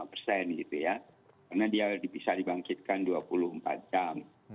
karena dia bisa dibangkitkan dua puluh empat jam